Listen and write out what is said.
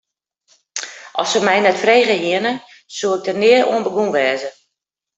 As se my net frege hiene, soe ik der nea oan begûn wêze.